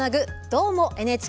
「どーも、ＮＨＫ」